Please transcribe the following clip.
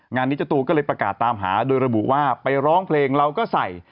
งานนี้เจ้าตัวก็เลยประกาศตามหาโดยระบุว่าไปร้องเพลงเราก็ใส่